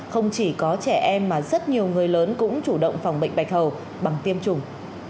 không chỉ có trẻ em mà rất nhiều người lớn cũng chủ động phòng bệnh bạch hầu bằng tiêm chủng